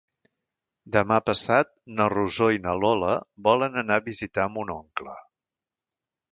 Demà passat na Rosó i na Lola volen anar a visitar mon oncle.